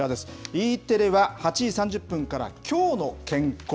Ｅテレは８時３０分からきょうの健康。